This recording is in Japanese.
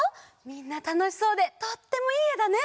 みんなたのしそうでとってもいいえだね。